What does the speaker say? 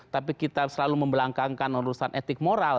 tapi kita selalu membelangkan urusan etik moral